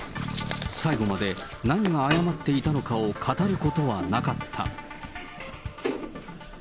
最後まで何が誤っていたのかを語ることはなかった。